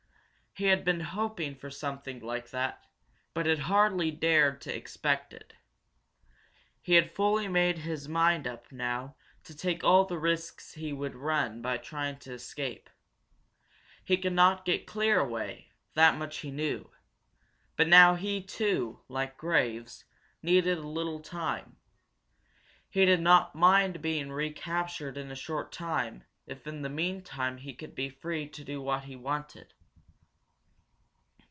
He had been hoping for something like that, but had hardly dared to expect it. He had fully made up his mind now to take all the risks he would run by trying to escape. He could not get clear away, that much he knew. But now he, too, like Graves, needed a little time. He did not mind being recaptured in a short time if, in the meantime, he could be free to do what he wanted.